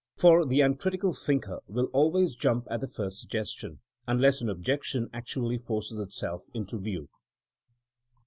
For the uncritical thinker wiU always jump at the first suggestion, unless an objection actually forces itself into view.